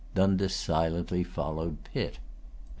Dundas silently followed Pitt.